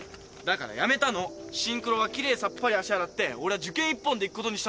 シンクロはきれいさっぱり足洗って俺は受験１本でいくことにしたんだよ。